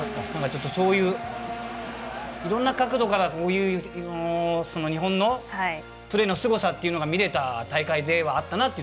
そういう、いろんな角度から日本のプレーのすごさが見られた大会ではあったなと。